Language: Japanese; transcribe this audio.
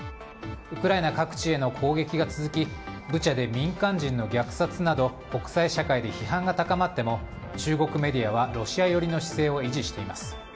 ウクライナ各地への攻撃が続きブチャで民間人の虐殺など国際社会で批判が高まっても中国メディアはロシア寄りの姿勢を維持しています。